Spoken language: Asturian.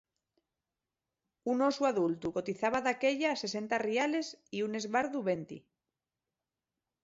Un osu adultu cotizaba daquella sesenta riales y un esbardu venti.